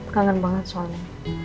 gangen banget soalnya